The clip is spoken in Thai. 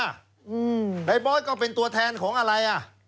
ไอ้บอสก็เป็นตัวแทนของอะไร